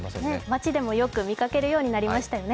町でもよく見かけるようになりましたよね。